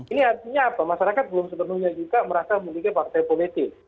ini artinya apa masyarakat belum sepenuhnya juga merasa memiliki partai politik